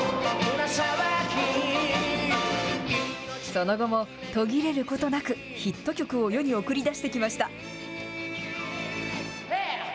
その後も途切れることなく、ヒット曲を世に送り出してきました。